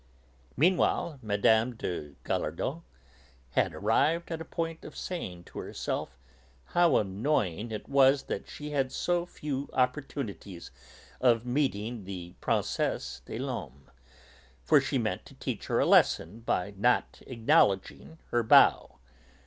Meanwhile Mme. de Gallardon had arrived at the point of saying to herself how annoying it was that she had so few opportunities of meeting the Princesse des Laumes, for she meant to teach her a lesson by not acknowledging her bow.